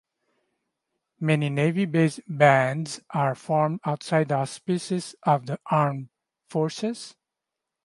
Many navy based bands are formed outside the auspices of the armed forces.